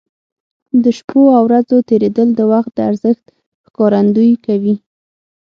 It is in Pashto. د شپو او ورځو تېرېدل د وخت د ارزښت ښکارندوي کوي.